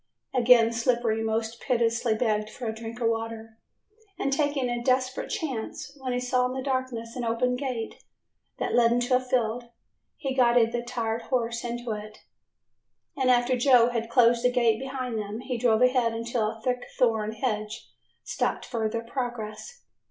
Again Slippery most piteously begged for a drink of water, and taking a desperate chance, when he saw in the darkness an open gate that led into a field, he guided the tired horse into it, and after Joe had closed the gate behind them he drove ahead until a thick thorn hedge stopped further progress.